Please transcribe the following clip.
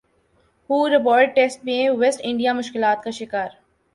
Hobart test میں West Indies مشکلات کا شکار